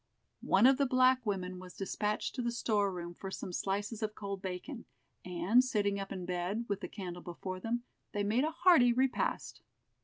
One of the black women was despatched to the store room for some slices of cold bacon, and sitting up in bed, with the candle before them, they made a hearty repast.